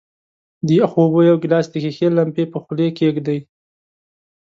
د یخو اوبو یو ګیلاس د ښيښې لمپې په خولې کیږدئ.